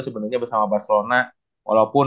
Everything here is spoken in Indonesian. sebenarnya bersama barcelona walaupun